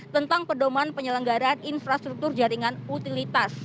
tentang pedoman penyelenggaraan infrastruktur jaringan utilitas